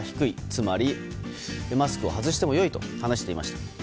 つまり、マスクを外しても良いと話していました。